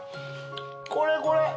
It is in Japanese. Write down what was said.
これこれ！